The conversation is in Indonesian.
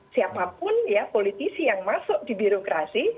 siapapun ya politisi yang masuk di birokrasi